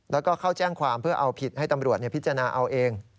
แล้วก็เข้าแจ้งความเพื่อเอาผิดให้ตำรวจพิจารณาเอาเอง